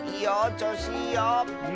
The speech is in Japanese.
ちょうしいいよ！